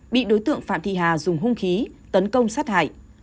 bị đối tượng phạm thị hà dùng hung khí tấn công sát hại